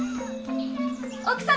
奥様